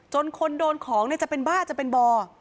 คนโดนของจะเป็นบ้าจะเป็นบ่อ